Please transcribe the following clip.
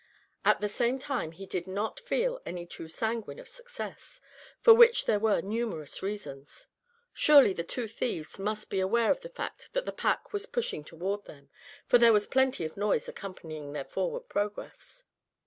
At the same time he did not feel any too sanguine of success, for which there were numerous reasons. Surely the two thieves must be aware of the fact that the pack was pushing toward them, for there was plenty of noise accompanying their forward progress.